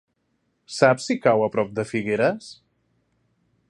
Saps si cau a prop de Figueres?